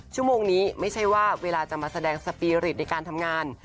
ชั่วโมงนี้ไม่ใช่ว่าเวลาจะมาแสดงสปีริตในการทำงาน